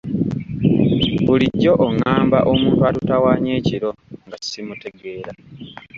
Bulijjo ongamba omuntu atutawaanya ekiro nga simutegeera.